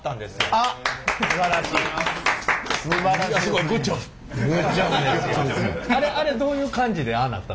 あれどういう感じでああなった？